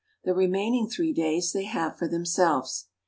The remaining three days they have for themselves.